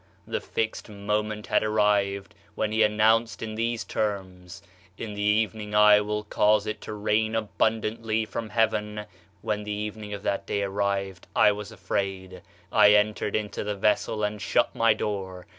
The fixed moment had arrived, which he announced in these terms: "In the evening I will cause it to rain abundantly from heaven." When the evening of that day arrived, I was afraid, I entered into the vessel and shut my door.